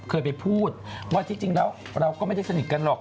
เคยไปพูดว่าที่จริงแล้วเราก็ไม่ได้สนิทกันหรอก